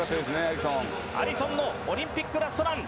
アリソンのオリンピックラストラン。